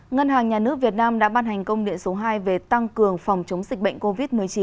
ngân hàng nhà nước việt nam đã ban hành công điện số hai về tăng cường phòng chống dịch bệnh covid một mươi chín